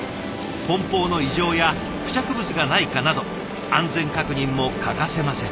梱包の異常や付着物がないかなど安全確認も欠かせません。